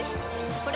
これ！